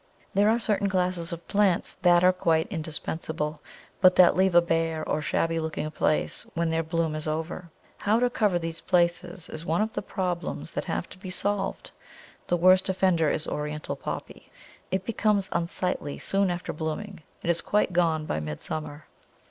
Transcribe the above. There are certain classes of plants that are quite indispensable, but that leave a bare or shabby looking place when their bloom is over. How to cover these places is one of the problems that have to be solved. The worst offender is Oriental Poppy; it becomes unsightly soon after blooming, and is quite gone by midsummer.